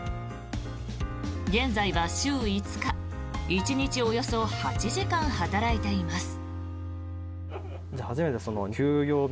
現在は週５日１日およそ８時間働いています。